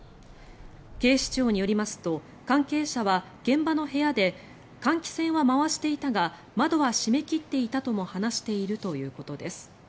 警視庁によりますと関係者は現場の部屋で換気扇は回していたが窓は閉め切っていたとも話しているということです。